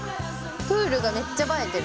プールがめっちゃ映えてる。